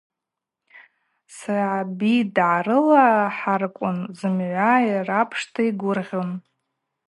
Саби дгӏарылахӏарквын зымгӏва йрапшта йгвыргъьун.